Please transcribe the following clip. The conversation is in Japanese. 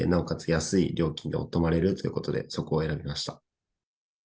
安い料金で泊まれるということで、そこを選びました。